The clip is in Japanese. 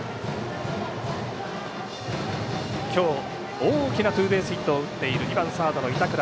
今日、大きなツーベースヒットを打っている２番サードの板倉。